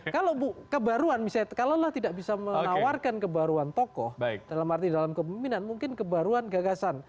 kalau kebaruan misalnya kalau lelah tidak bisa menawarkan kebaruan tokoh dalam arti dalam kepemimpinan mungkin kebaruan gagasan